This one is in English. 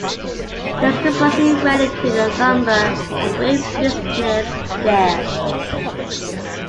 Mr Bussey went into the lumber and grain business there.